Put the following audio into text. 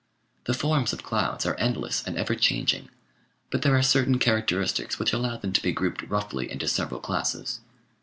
The forms of clouds are endless and ever changing, but there are certain characteristics which allow them to be grouped roughly into several classes.